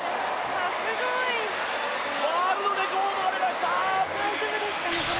ワールドレコードが出ました。